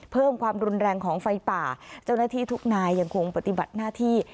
เพิ่มความรุนแรงของไฟป่าเจ้าหน้าที่ทุกนายยังคงปฏิบัติหน้าที่